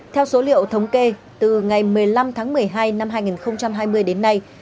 theo số liệu thống kê từ ngày một mươi năm tháng một mươi hai năm hai nghìn hai mươi đến nay